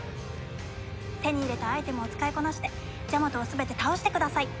手に入れたアイテムを使いこなしてジャマトを全て倒してください。